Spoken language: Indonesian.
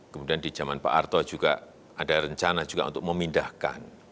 kemudian di zaman pak arto juga ada rencana juga untuk memindahkan